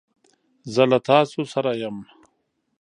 زه له تاسو سره یم.